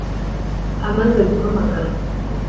Amaze guhamagarwa